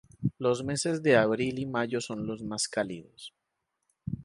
Los meses de abril y mayo son los más cálidos.